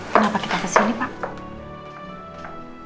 kenapa kita kesini pak